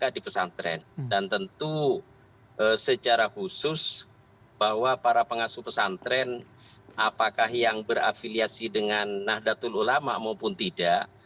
dan tentu secara khusus bahwa para pengasuh pesantren apakah yang berafiliasi dengan nahdlatul ulama maupun tidak